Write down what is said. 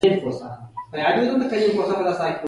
سمدستي به مې تر لاس ونیول او خپلې کوټې ته به مې وخېژول.